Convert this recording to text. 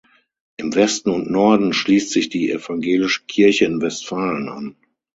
Im Westen und Norden schließt sich die Evangelische Kirche in Westfalen an.